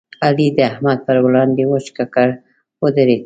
علي د احمد پر وړاندې وچ ککړ ودرېد.